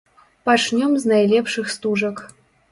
Пачнём з найлепшых стужак.